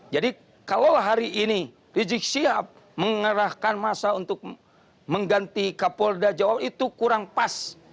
jadi kalau hari ini rizik syihab mengerahkan massa untuk mengganti kapolda jawa itu kurang pas